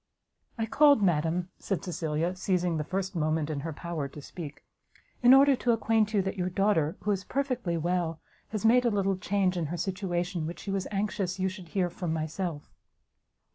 "I called, madam," said Cecilia, seizing the first moment in her power to speak, "in order to acquaint you that your daughter, who is perfectly well, has made a little change in her situation, which she was anxious you should hear from myself."